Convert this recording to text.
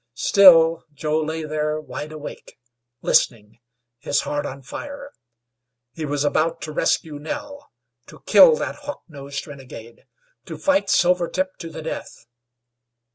Still Joe lay there wide awake, listening his heart on fire. He was about to rescue Nell; to kill that hawk nosed renegade; to fight Silvertip to the death.